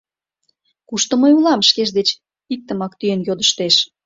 «Кушто мый улам? — шкеж деч иктымак тӱен йодыштеш.